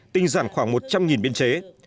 tinh giản khoảng một trăm linh biên chế